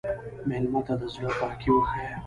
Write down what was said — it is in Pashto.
مېلمه ته د زړه پاکي وښیه.